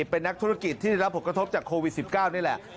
เป็นนักธุรกิจที่ได้รับผลกระทบจากโควิด๑๙นี่แหละ